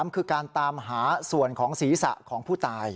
คือการตามหาส่วนของศีรษะของผู้ตาย